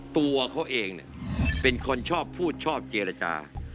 ตัวเขาเองเป็นคนชอบพูดชอบเจรจา